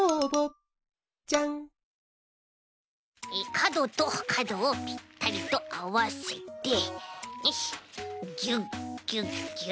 かどとかどをぴったりとあわせてよしギュッギュッギュッ。